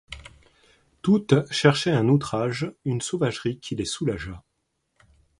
Toutes cherchaient un outrage, une sauvagerie qui les soulageât.